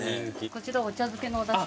こちらお茶漬けのおだし。